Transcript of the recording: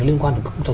liên quan đến